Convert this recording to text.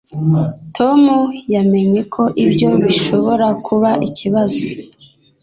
Tom yamenye ko ibyo bishobora kuba ikibazo.